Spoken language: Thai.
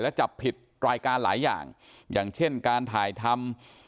และจับผิดรายการหลายอย่างอย่างเช่นการถ่ายทำ